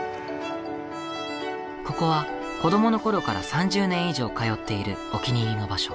ここは子供の頃から３０年以上通っているお気に入りの場所。